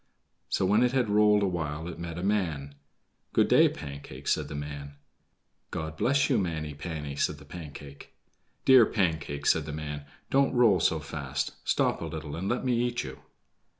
So when it had rolled a while it met a man. "Good day, Pancake," said the man. "God bless you, Manny panny!" said the Pancake. "Dear Pancake," said the man, "don't roll so fast; stop a little and let me eat you."